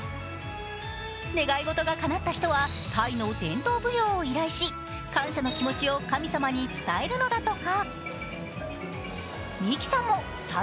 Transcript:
願い事がかなった人は、タイの伝統舞踊を依頼し、感謝の気持ちを神様に伝えるのだとか。